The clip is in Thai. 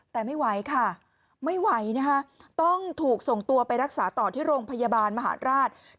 แต่ไม่ไหวค่ะไม่ไหวนะคะต้องถูกส่งตัวไปรักษาต่อที่โรงพยาบาลมหาราช